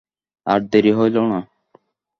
আর দেরি হইল না।